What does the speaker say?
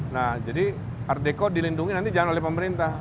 nah jadi art deko dilindungi nanti jangan oleh pemerintah